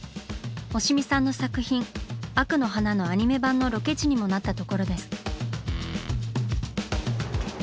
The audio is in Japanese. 押見さんの作品「惡の華」のアニメ版のロケ地にもなったところです。